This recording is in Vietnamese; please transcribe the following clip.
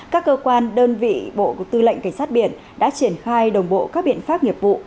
các cơ quan đơn vị bộ tư lệnh cảnh sát biển đã triển khai đồng bộ các biện pháp nghiệp vụ